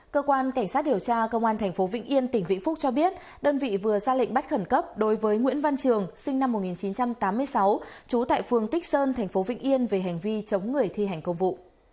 cơ quan cảnh sát điều tra công an tp vĩnh yên tỉnh vĩnh phúc cho biết đơn vị vừa ra lệnh bắt khẩn cấp đối với nguyễn văn trường sinh năm một nghìn chín trăm tám mươi sáu trú tại phường tích sơn tp vĩnh yên về hành vi chống người thi hành công vụ